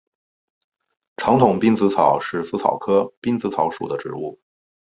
长筒滨紫草是紫草科滨紫草属的植物。